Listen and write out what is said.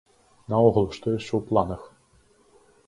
Наогул, што яшчэ ў планах?